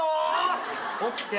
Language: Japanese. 起きて。